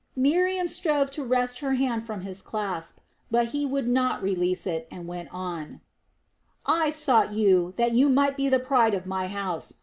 Miriam strove to wrest her hand from his clasp, but he would not release it, and went on: "I sought you, that you might be the pride of my house.